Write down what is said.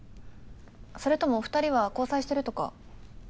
それともお二人は交際してるとか？